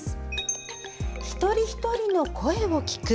一人ひとりの声を聞く。